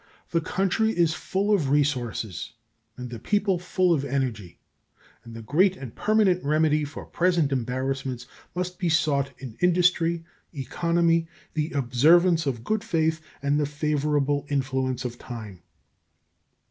The country is full of resources and the people fall of energy, and the great and permanent remedy for present embarrassments must be sought in industry, economy, the observance of good faith, and the favorable influence of time.